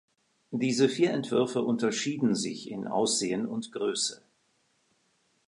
Diese vier Entwürfe unterschieden sich in Aussehen und Größe.